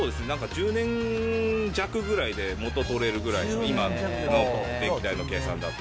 １０年弱ぐらいで元取れるぐらい、今の電気代の計算だと。